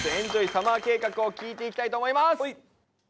サマー計画」を聞いていきたいと思います。